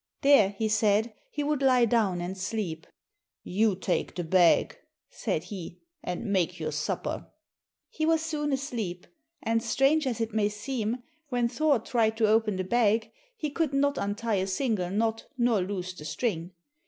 There, he said, he would lie down and sleep. "You take the bag," said he, "and make your supper." He was soon asleep, and, strange as it may seem, when Thor tried to open the bag he could not untie a single knot nor loose the string.